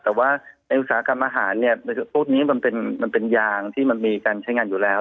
แต่ว่าในอุตสาหกรรมอาหารเนี่ยพวกนี้มันเป็นยางที่มันมีการใช้งานอยู่แล้ว